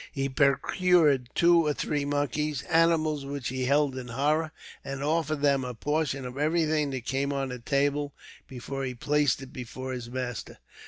He procured two or three monkeys, animals which he held in horror, and offered them a portion of everything that came on the table, before he placed it before his master.